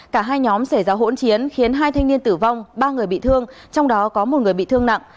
cả hai nhóm xảy ra hỗn chiến khiến hai thanh niên tử vong ba người bị thương trong đó có một người bị thương nặng